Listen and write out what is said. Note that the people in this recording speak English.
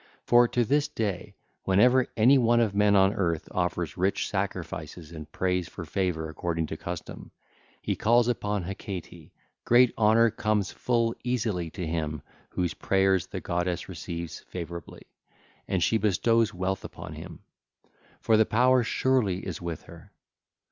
For to this day, whenever any one of men on earth offers rich sacrifices and prays for favour according to custom, he calls upon Hecate. Great honour comes full easily to him whose prayers the goddess receives favourably, and she bestows wealth upon him; for the power surely is with her.